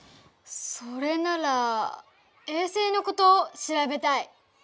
それなら衛星のことしらべたい。